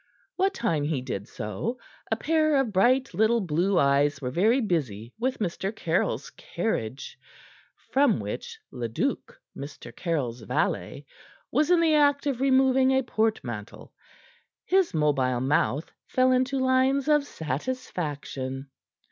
What time he did so, a pair of bright little blue eyes were very busy with Mr. Caryll's carriage, from which Leduc, Mr. Caryll's valet, was in the act of removing a portmantle. His mobile mouth fell into lines of satisfaction.